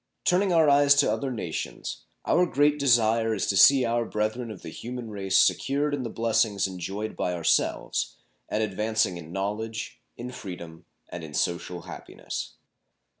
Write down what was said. Turning our eyes to other nations, our great desire is to see our brethren of the human race secured in the blessings enjoyed by ourselves, and advancing in knowledge, in freedom, and in social happiness.